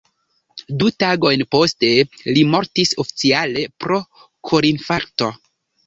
Du tagojn poste li mortis, oficiale pro korinfarkto.